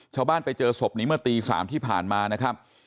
ไปเจอศพนี้เมื่อตี๓ที่ผ่านมานะครับ